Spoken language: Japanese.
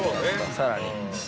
さらに。